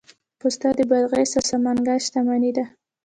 پسته د بادغیس او سمنګان شتمني ده.